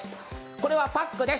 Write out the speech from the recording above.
これはパックです。